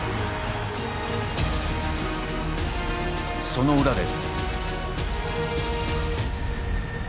その裏で。